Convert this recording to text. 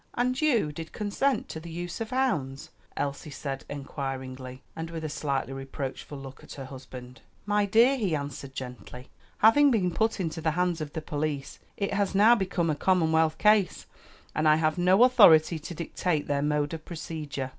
"And you did consent to the use of hounds?" Elsie said inquiringly, and with a slightly reproachful look at her husband. "My dear," he answered gently, "having been put into the hands of the police it has now become a commonwealth case, and I have no authority to dictate their mode of procedure."